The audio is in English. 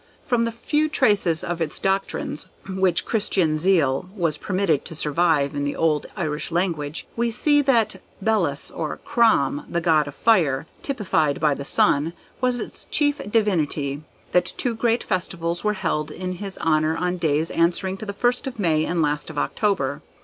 From the few traces of its doctrines which Christian zeal has permitted to survive in the old Irish language, we see that Belus or "Crom," the god of fire, typified by the sun, was its chief divinity—that two great festivals were held in his honour on days answering to the first of May and last of October.